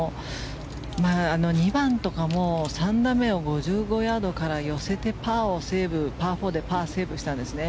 ２番とかも３打目を５５ヤードから寄せてパーをセーブ、パー４でパーをセーブしたんですね。